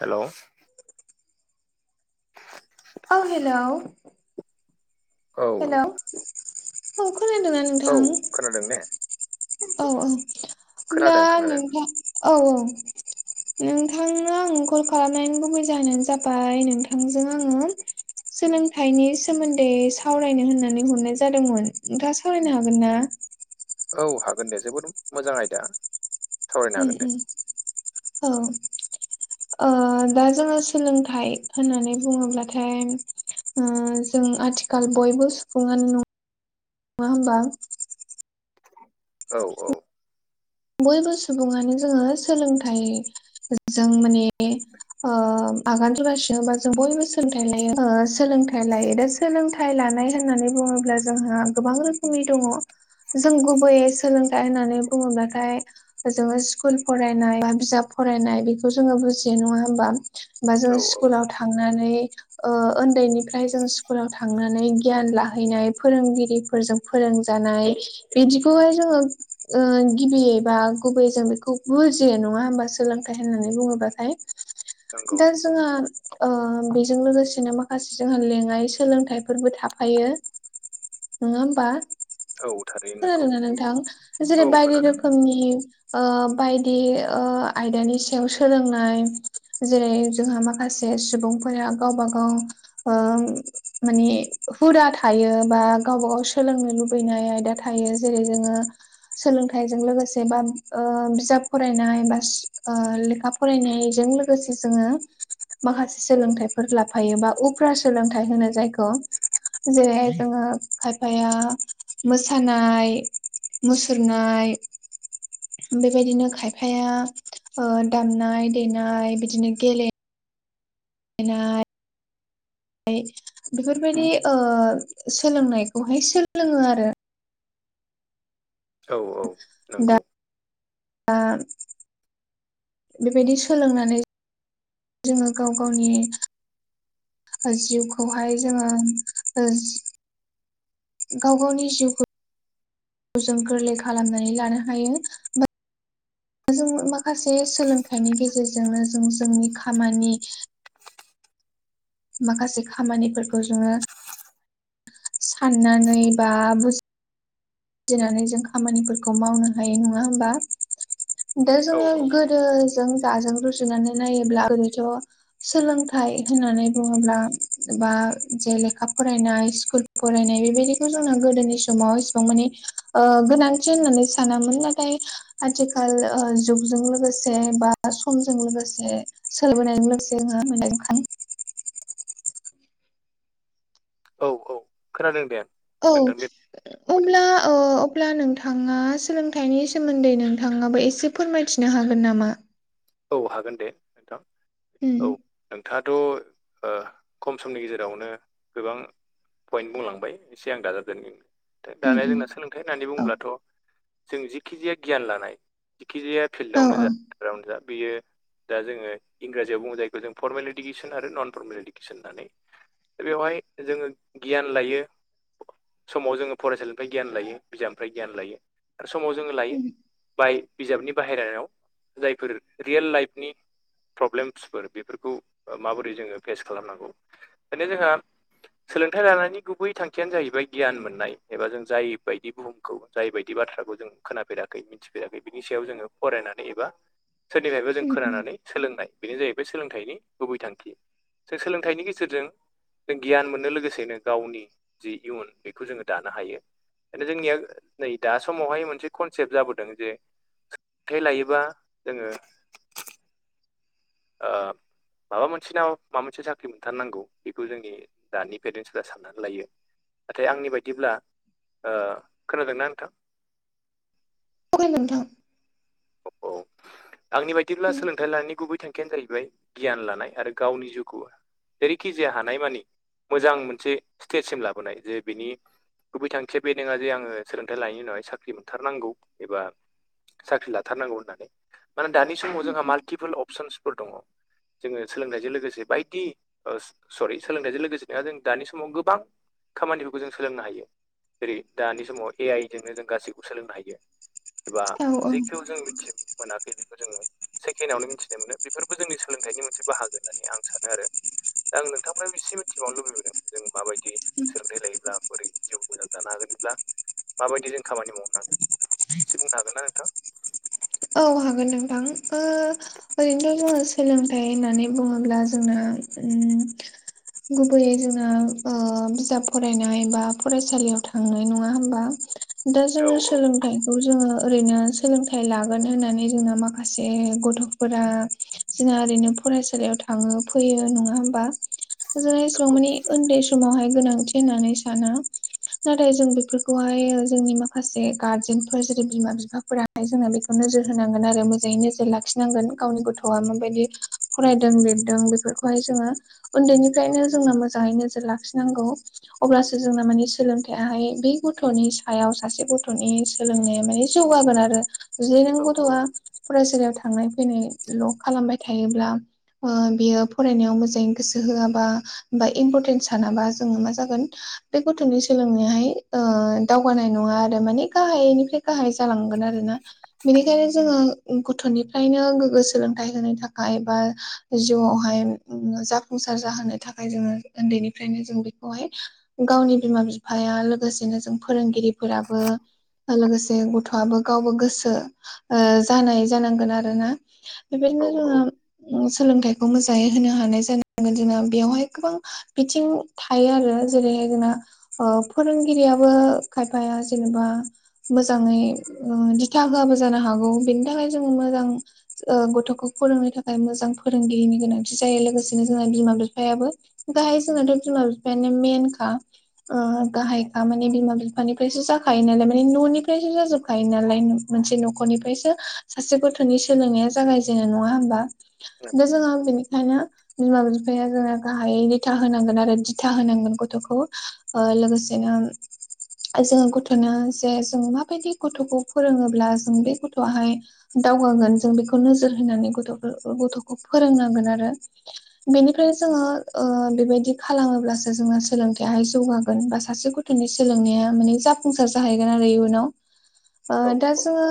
Hello औ hello औ hello औ खोनादों आं औ खोनादों ने औ-औ होनब्ला खोनादों खोनादों नोंथां औ-औ नोंथांनो आं कल खालामनायनि गुबै जाहोनानो जाबाय नोंथांजों आङो सोलोंथाइनि सोमोन्दै सावरायनो होननानै हरनाय जादोंमोन नोंथाङा सावरायनो हागोन ना औ हागोन दे जोबोद मोजां आयदा सावरायनो हागोन दे उम-उम औ ओ दा जोङो सोलोंथाइ होननानै बुङोब्लाथाय जों आथिखाल बयबो सुबुङानो न नङा होमबा औ-औ बयबो सुबुङानो जोङो सोलोंथाइ जों माने आगान सुरगासिनो बा जों बयबो सोलोंथाइ लायो सोलोंथाइ लायो दा सोलोंथाइ लानाय होननानै बुङोब्ला जोंहा गोबां रोखोमनि दङ जों गुबैयै सोलोंथाइ होननानै बुङोब्ला थाय जोङो स्कुल फरायनाय बा बिजाब फरायनाय बेखौ जोङो बुजियो नङा होमबा बा जों औ औ स्कुलाव थांनानै उन्दैनिफ्राय जों स्कुलाव थांनानै गियान लाहैनाय फोरोंगिरिफोरजों फोरोंजानाय बिदिखौहाय जोङो गिबियै बा गुबैयै जों बेखौ बुजियो नङा होमबा सोलोंथाइ होननानै बुङोब्लाथाय नंगौ दा जोङो बेजों लोगोसेनो माखासे जोंहा लेङाइ सोलोंथाइफोरबो थाफायो नङा होमबा औ थारैनो नंगौ खोनादोंना नोंथां जेरै औ बायदि खोनादों रोखोमनि बायदि आयदानि सायाव सोलोंनाय जेरै जोंहा माखासे सुबुंफोरा गावबा गाव माने हुदा थायो बा गावबा गाव सोलोंनो लुबैनाय आयदा थायो जेरै जोङो सोलोंथाइ जों लोगोसे बा बिजाब फरायनाय बा लेखा फरायनायजों लोगोसे जोङो माखासे सोलोंथाइफोर लाफायो बा उफ्रा सोलोंथाइ होनो जायखौ जेरैहाय जोङो खायफाया मोसानाय मुसुरनाय बेबायदिनो खायफाया दामनाय देनाय बिदिनो गेले नाय ओमफ्राय बेफोरबायदि ओ सोलोंनायखौहाय सोलोङो आरो औ-औ नंगौ बा बेबायदि सोलोंनानै जोङो गाव गावनि जिउखौहाय जोङो गाव गावनि जिउखौ जों गोरलै खालामनानै लानो हायो जों माखासे सोलोंथाइनि गेजेरजोंनो जों जोंनि खामानि माखासे खामानिफोरखौ जोङो साननानै बा बु जिनानै जों खामानिफोरखौ मावनो हायो नङा होमबा दा औ जोङो औ गोदो जों दाजों रुजुनानै नायोब्ला ओरैनोथ' सोलोंथाइ होननानै बुङोब्ला बा जे लेखा फरायनाय स्कुल फरायनाय बेबायदिखौ जोंना गोदोनि समाव एसिबां माने ओ गोनांथि होननानै सानामोन नाथाय आथिखाल जुगजों लोगोसे बा समजों लोगोसे सोलबोनायजों लोगोसे जोंहा मोननायखां औ-औ खोनादों दे नोंथांनि औ-औ बुंबाय अब्ला थानाय अब्ला नोंथाङा सोलोंथाइनि सोमोन्दै नोंथाङाबो एसे फोरमायथिनो हागोन नामा औ हागोन दे नोंथां औ उम नोंथाङाथ' खम समनि गेजेरावनो गोबां पइन्ट बुंलांबाय एसे आं दाजाबदेरनि दा उम दानिया उम जोंना सोलोंथाइ होननानै औ बुङोब्लाथ' जों जिखिजाया गियान लानाय जिखिजाया औ फिल्डआवनो औ जा फोथाराव नो जादों बेयो दा जोङो इंराजियाव बुङो जायखौ जों फरमेल इडुकेसन आरो नन फरमेल इडुकेसन होननानै दा बेवहाय जोङो गियान लायो समाव जोङो फरायसालिनिफ्राय गियान लायो बिजाबनिफ्राय गियान लायो समाव जोङो लायो उम बाय बिजाबनि बाहेरायाव जायफोर रियेल लाइफनि प्रब्लेमसफोर बेफोरखौ माबोरै जोङो फेस खालामनांगौ माने जोंहा सोलोंथाइ लानायनि गुबै थांखियानो जाहैबाय गियान मोननाय एबा जों जाय बायदि बुहुम खौ जायबायदि बाथ्राखौ जों खोनाफेराखै मिथिफेराखै बिनि सायाव जोङो फरायनानै एबा सोरनिफ्रायबो जों उम उम खोनानानै सोलोंनाय बेनो जाहैबाय सोलोंथाइनि गुबै थांखि जों सोलोंथाइनि गेजेरजों जों गियान मोननो लोगोसेनो गावनि जि इयुन बेखौ जोङो दानो हायो नो जोंनिया नै दा समावहाय मोनसे कनसेप्ट जाबोदों जे सोलोथाय लायोबा जोङो ओ माबा मोनसेना माबा मोनसे साख्रि मोनथारनांगौ बेखौ जोंनि दानि पेरेन्सफोरा साननानै लायो नाथाय आंनि बायदिब्ला खोनादोंना नोंथां ओ खोनादों नोंथां औ-औ आंनि बायदिब्ला सोलोंथाइ लानायनि गुबै थांखि यानो जाहैबाय गियान लानाय आरो गावनि जिउखौ जेरैखि जाया हानाय मानि मोजां मोनसे स्टेजसिम लाबोनाय जे बिनि गुबै थांखिया बे नङा जे आङो सोलोंथाइ लानायनि उनावाय साख्रि मोनथारनांगौ एबा साख्रि ला थारनांगौ होननानै मानोना दानि समाव जोंहा माल्टिपोल अपसनसफोर दङ जोङो सोलोंथायजों लोगोसे बायदि अ सरि सोलोंथायजों लोगोसे नङा जों दानि समाव गोबां खामानिफोरखौ जों सोलोंनो हायो जेरै दानि समाव ए आइ जोंनो जों गासैखौ सोलोंनो हायो एबा औ-औ जेखौ जों मिथि मोनाखै बेखौ जोङो सेकेणडआवनो मिथिनाय मोनो बेफोरबो जोंनि सोलोंथाइनि मोनसे बाहागो होननानै आं सानो आरो दा आं नोंथांनिफारायबो इसे मिथिबावनो लुबैदों जों माबायदि सोलोंथाइ लायोब्ला बोरै जिउखौ मोजां जानो हागोनब्ला माबायदि जों खामानि मावनांगोन एसे बुंनो हागोन ना नोंथां औ हागोन नोंथां ओरैनोथ' जोङो सोलोंथाइ होननानै बुङो अब्ला जोंनो ओ गुबैयै जोंना बिजाब फरायनाय बा फरायसालियाव थांनाय नङा होमबा दा औ जोङो औ सोलोंथाइखौ जोङो ओरैनो सोलोंथाइ ला होननानै जोंना माखासे गथ'फोरा जोंना ओरैनो फरायसालियाव था थाङो फैयो नङा हबा जाएसिबां नंगौ माने उन्दै समावहाय गोनांथि होननानै साना नाथाय जों बेफोरखौहाय जोंनि माखासे गारजेनफोर जेरै बिमा बिफा फोराहाय जोंना बे खौ नोजोर होनांगोन आरो मोजाङै नोजोर लाखिनांगोन गावनि गथ'आ माबायदि फरायदों लिरदों बेफोरखौहाय जोङो उन्दैनिफ्रायनो जोंनो मोजाङै नोजोर लाखिनांगौ अब्लासो जोंना मानि सोलोंथायाहाय बे गथ'नि सायाव सासे गथ'नि सोलोंनाया माने जौगागोन आरो जुदि नों औ गथ'आ फरायसालियाव थांनाय फैनायल' खालामबाय थायोब्ला बियो फरायनायाव मोजाङै गोसो होआबा बा इम्परटेन्स सानाबा जोङो मा जागोन बे गथ'नि सोलोंनायाहाय दावगानाय नङा आरो माने गाहायनिफ्राय गाहाय जालांगोन आरोना बिनिखायनो जोङो गथ'निफ्रायनो गोग्गो सोलोंथाइ होनो थाखाय बा जिउआवहाय जाफुंसार जाहोनो थाखाय जोङो उन्दैनिफ्रायनो जों बेखौहाय गावनि बिमा बिफाया लोगोसेनो जों फोरोंगिरि फोराबो लोगोसे गथ'आबो गावबो गोसो ज जानांगोन आरोना औ बेबायदिनो औ जोङो सोलोंथाय बेखौ मोजाङै होनो हानाय जानांगोन जोंना बेवहाय गोबां बिथिं थायो आरो जेरैहाय जोंना फोरोंगिरियाबो खायफाया जेनेबा मोजाङै ओ दि था होयाबो जानो हागौ बेनि थाखाय जोङो मोजां गथ'खौ फोरोंनो थाखाय मोजां फोरोंगिरिनि गोनांथि जायो लोगोसेनो जोंहा बिमा बिफायाबो गाहाय जोंनााथ' बिमा बिफानो मेनखा गाहायखा माने बिमा बिफानिफ्रायसो जाखायो नालाय माने न'निफ्रायसो जाजोबखायो नालाय मोनसे न'खरनिफ्रायसो सासे गथ'नि सोलोंनाया जागायजेनाय नङा होमबा बे नंगौ जोंहा बेनिखायनो बिमा बिफाया जोंना गाहायै लथा होनांगोन आरो दिथा होनांगोन गथ'खौ लोगोसेनो जोङो गथ'नो जे जोङो माबायदि गथ'खौ फोरोङो ब्ला जों बे गथ'आहाय दावगागोन जों बेखौ नोजोर होनानै गथ'फोर गथ'खौ फोरोंनांगोन आरो बेनिफ्राय जोङो ओ बेबायदि खालामोब्लासो जोङो सोलोंथायाइाहाय जौगागोन बा सासे गथ' थ'नि सोलोंनाया माने जाफुंसार जाहैगोन आरो इयुनाव ओ औ दा औ जोङो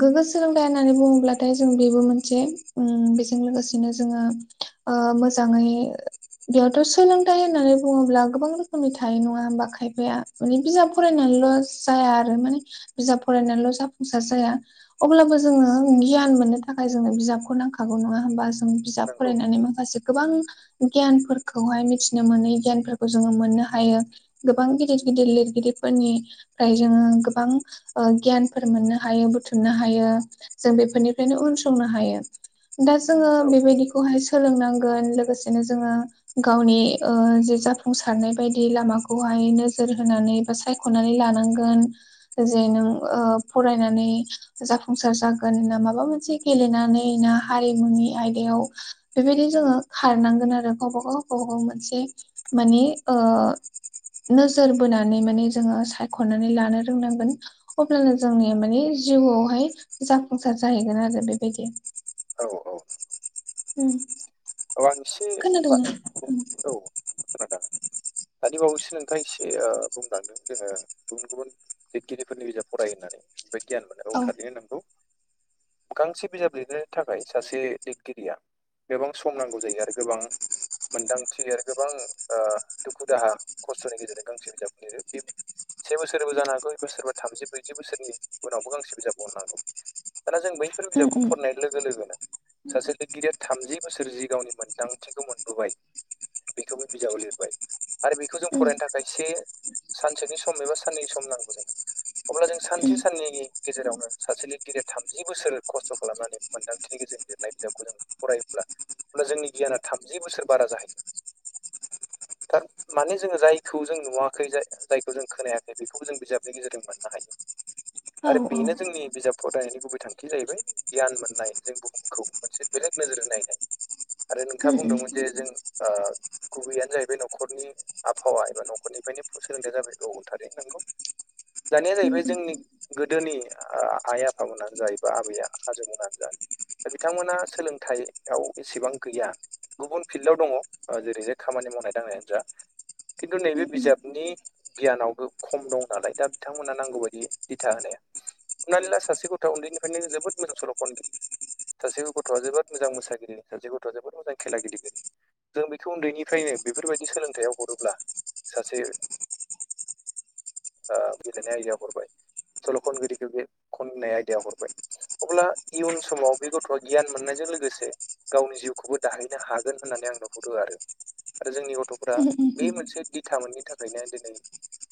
गोग्गो सोलोंथाइ होननानै बुङोब्लाथाय जों बेबो मोनसे बेजों लोगोसेनो जोङो ओ मोजाङै बेयावथ' सोलोंथाइ होननानै बुङोब्ला गोबां रोखोमनि थायो नङाबा खायफाया माने बिजाब फरायनानैल' जाया आरो माने बिजाब फरायनानैल' जाफुंसार जाया अब्लाबो जोङो गियान मोननो थाखाय जोंनो बिजाबखौ नांखागौ नङा होमबा जों बिजाब नंगौ नंगौ फरायनानै माखासे गोबां गियानफोरखौहाय मिथिनो मोनै गियानफोरखौ जोङो मोननो हायो गोबां गिदिर गिदिर लिरगिरिफोरनिफ्राय जोङो गोबां ओ गियानफोर मोननो हायो बुथुमनो हायो जों बेफोरनिफ्रायनो उनसंनो हायो दा जोङो औ बेबायदिखौहाय सोलोंनांगोन लोगोसेनो जोङो गावनि जे जाफुंसारनाय बायदि लामाखौहाय नोजोर होनानै बा सायख'नानै लानांगोन जे नों फरायनानै जाफुंसार जागोन ना माबा मोनसे गेलेनानै ना हारिमुनि आयदायाव बेबायदि जोङो खारनांगोन आरो गावबा गाव गावबा गाव मोनसे मानि ओ नोजोर बोनानै माने जोङो सायख'नानै लानो रोंनांगोन अब्लानो जोंनिया माने जिउआवहाय जाफुंसार जाहैगोन आरो बेबायदि औ औ उम औ आं एसे बा खोनादोंना बुं औ खोनादों दानि बावैसो नोंथाङा एसे बुंलांदों जोङो गुबुन गुबुन लिरगिरिफोरनि बिजाब फराय होननानै बेफ्राय गियान मोननाय औ थारैनो नंगौ गांसे बिजाब लिरनायनि थाखाय सासे लिरगिरिया गोबां सम नांगौ जायो आरो गोबां मोनदांथि आरो गोबां दुखु दाहा खस्थ'नि गेजेरजों गांसे बिजाबखौ लिरो बे से बोसोरबो जानो हागौ बोसोरा थामजि ब्रैजि बोसोरनि उनावबो गांसे बिजाबावहनांगौ दाना जों बैफोर उम बिजाबखौ उम फरायनाय लोगो लोगोनो सासे लिरगिरिया थामजि बोसोर जि गावनि मोन्दांथिखौ मोनबोबाय बेखौबो बिजाबाव लिरबाय आरो बेखौ जों उम फरायनो थाखाय एसे सानसेनि सम एबा साननैनि सम नांगौ जों अब्ला जों उम सानसे साननैनि गेजेरावनो सासे लिरगिरिया थामजि बोसोर खस्थ' खालामनानै मोनदांथिनि गेजेरजों लिरनाय बिजाबखौ जों फराय ब्ला अब्ला जोंनि गियाना थामजि बोसोर बारा जाहै [inaudible] नोंथां माने जोङो जायखौ जों नुवाखै जाय जायखौ जों खोनायाखै बेखौबो जों बिजाबनि गेजेरजों मोननो हायो। औ आरो उम बेनो जोंनि बिजाब फरायनायनि गुबै थांखि जाहैबाय गियान मोननाय जों बुहुमखौ मोनसे बेलेग नोजोर होनाय आरो उम नोंथाङा बुंदोंमोन जे जों गुबैयनो जाहैबाय न'खरनि आबहावा एबा न'खरनिफ्रायनो सोलोंथाइया जाबाय बे औ थारैनो नंगौ दानिया उम जाहैबाय जोंनि गोदोनि आइ आफामोनानो जायो बा आबै आजौमोनानो जा दा बिथांमोना सोलोंथाइ याव एसेबां गैया गुबुन फिल्डआव दङ जेरैहाय खामानि मावनाय दांनायानो जा खिन्थु नैबे उम बिजाबनि गियानावबो खम दं नालाय दा बिथांमोनहा नांगौ बायदि दिथा होनाया हनानै ला सासे गथ'आ उन्दैनिफ्रायनो जोबोद मोजां सल'खनगिरि सासे गथ'आ जोबोद मोजां मोसायो जेरै सासे गथ' जोबबो मोजां खेला गेलेगिरि जों बेखौ उन्दैनिफ्रायनो बेफोरबायदि सोलोंथायाव हरोब्ला सासे गेलेनाय आयदायाव हरबाय सल' खनगिरिखौ बे खननाय आयदायाव हरबाय अब्ला इयुन समाव बे गथ'आ गियान मोननायजों लोगोसे गावनि जिउखौबो दाहैनो हागोन होननानै आं नुहरो आरो आरो जोंनि गथ'फोरा् उम बे मोनसे दिथा मोनिनि थाखायनो दिनै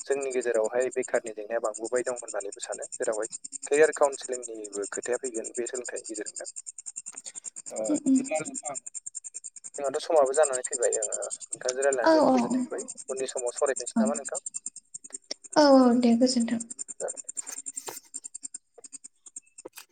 जोंनि गेजेरावहाय बेखारनि जेंनाया बांबोबाय दं होननानैबो सानो जेरावहाय केरियार काउन्सिलिंनिबो खोथाया फैगोन बे सोलोंथाइनि गेजेरजोंनो उम उम बिदिबा जोंहाथ' समाबो जानानै फैबाय जोङो नोंथांजों रायज्लायना औ जोबोद औ गोजोननाय मोनबाय उन समाव सावरायफिनसै औ औ नामा नोंथां औ दे गोजोन्थों द [inaudible] [inaudible]